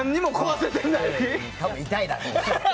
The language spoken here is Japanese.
多分、痛いだろう。